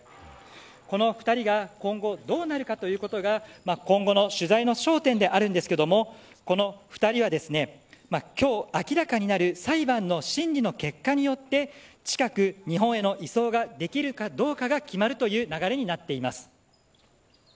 この２人が今後、どうなるかということが今後の取材の焦点であるんですけれどもこの２人はですね今日明らかになる裁判の審理の結果によって近く、日本への移送ができるかどうかが決まるという流れになっています。